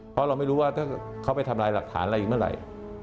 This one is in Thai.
เพราะเราไม่รู้ว่าถ้าเขาไปทำลายหลักฐานอะไรอีกเมื่อไหร่